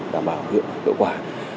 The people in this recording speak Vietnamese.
đảm bảo hiệu quả